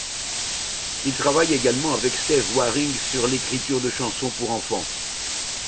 Il travaille également avec Steve Waring sur l'écriture de chansons pour enfants.